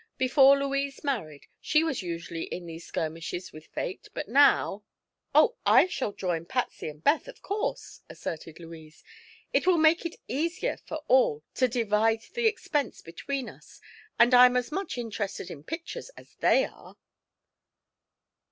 Before Louise married, she was usually in these skirmishes with fate, but now " "Oh, I shall join Patsy and Beth, of course," asserted Louise. "It will make it easier for all, to divide the expense between us, and I am as much interested in pictures as they are."